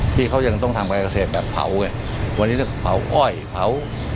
ที่เขายังต้องทำการเกษตรแบบเผาไงวันนี้ต้องเผาอ้อยเผา